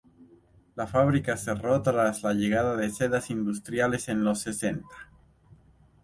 La fábrica cerró tras la llegada de sedas industriales en los sesenta.